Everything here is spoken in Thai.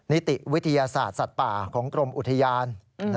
นิติวิทยาศาสตร์สัตว์ป่าของกรมอุทยาน